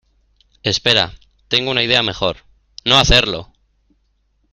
Espera. Tengo una idea mejor .¡ no hacerlo!